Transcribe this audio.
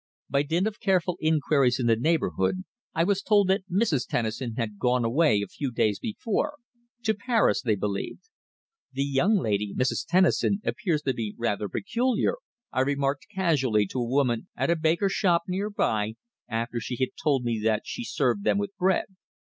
By dint of careful inquiries in the neighbourhood I was told that Mrs. Tennison had gone away a few days before to Paris, they believed. "The young lady, Miss Tennison, appears to be rather peculiar," I remarked casually to a woman at a baker's shop near by, after she had told me that she served them with bread.